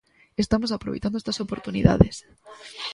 Estamos aproveitando estas oportunidades.